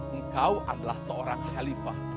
engkau adalah seorang halifah